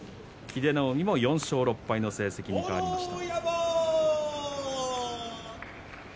英乃海も４勝６敗の成績に変わりました。